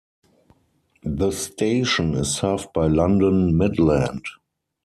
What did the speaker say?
The station is served by London Midland.